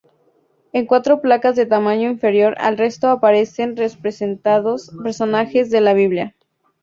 En cuatro placas de tamaño inferior al resto aparecen representados personajes de la Biblia.